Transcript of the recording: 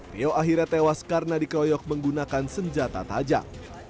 rio akhirnya tewas karena di kroyok menggunakan senjata tajam